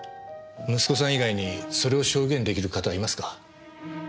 息子さん以外にそれを証言出来る方はいますか？